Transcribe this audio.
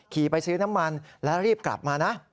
ขี่ไปซื้อน้ำมันแล้วรีบกลับมานะ